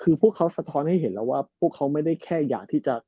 คือพวกเขาสะท้อนให้เห็นแล้วว่าพวกเขาไม่ได้แค่อยากที่จะ